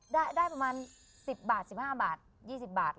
ได้ประมาณ๑๐บาท๑๕บาท๒๐บาท